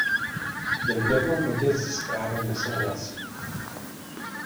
Jen v jednom bodě se zprávou nesouhlasím.